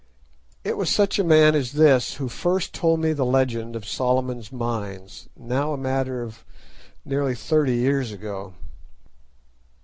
It was such a man as this who first told me the legend of Solomon's Mines, now a matter of nearly thirty years ago.